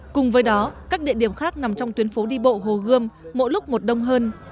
cùng với đó các địa điểm khác nằm trong tuyến phố đi bộ hồ gươm mỗi lúc một đông hơn